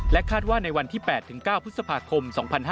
และคาดว่าในวันที่๘๙พฤษภาคม